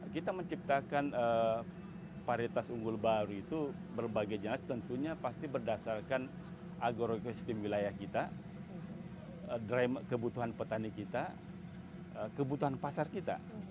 kita menciptakan paritas unggul baru itu berbagai jenis tentunya pasti berdasarkan agrokosistem wilayah kita kebutuhan petani kita kebutuhan pasar kita